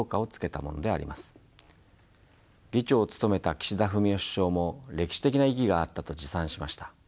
議長を務めた岸田文雄首相も歴史的な意義があったと自賛しました。